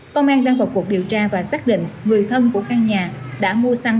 công an đang vào cuộc điều tra và xác định người thân của căn nhà đã mua xăng